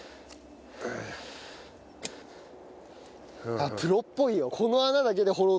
あっプロっぽいよ。